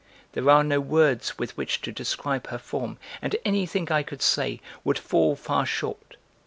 There are no words with which to describe her form and anything I could say would fall far short.